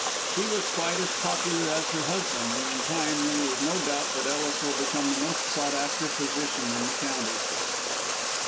She was quite as popular as her husband, and in time there is no doubt that Ellis will become the most sought after physician in the county.